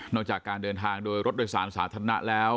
จากการเดินทางโดยรถโดยสารสาธารณะแล้ว